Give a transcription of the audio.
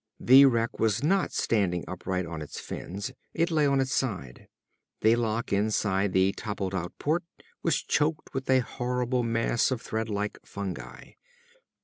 The wreck was not standing upright on its fins. It lay on its side. The lock inside the toppled out port was choked with a horrible mass of thread like fungi.